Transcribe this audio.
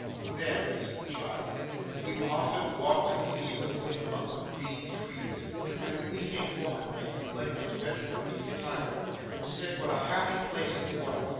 'Then,' said the child, 'we often walked in the fields and among the green trees, and when we came home at night, we liked it better for being tired, and said what a happy place it was.